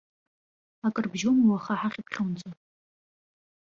Акыр бжьоума уаха ҳахьԥхьонӡа?